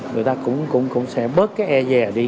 người ta cũng sẽ bớt cái e về đi